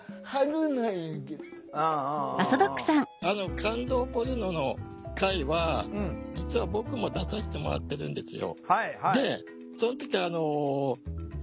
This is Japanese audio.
「感動ポルノ」の回は実は僕も出させてもらってるんですよ。